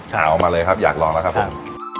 เอามาเลยครับอยากลองแล้วครับผม